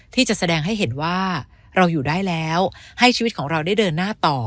ที่จะแสดงให้เห็นว่าเราอยู่ได้แล้วให้ชีวิตของเราได้เดินหน้าต่อ